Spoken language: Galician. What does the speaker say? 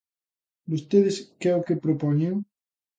¿Vostedes que é o que propoñen?